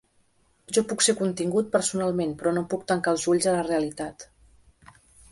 Jo puc ser contingut personalment, però no puc tancar els ulls a la realitat.